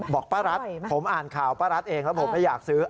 บอกป้ารัฐผมอ่านข่าวป้ารัฐเองแล้วผมไม่อยากซื้อ